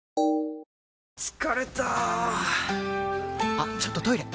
あっちょっとトイレ！